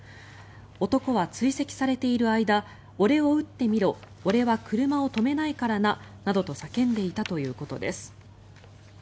男は追跡されている間俺を撃ってみろ俺は車を止めないからななどと叫んでいたということです。